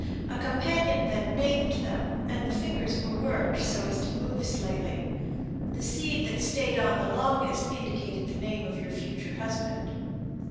A companion then 'named' them, and the fingers were worked so as to move slightly. The seed that stayed on the longest indicated the name of your future husband."